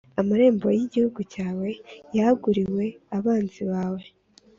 amarembo y’igihugu cyawe yāguriwe abanzi bawe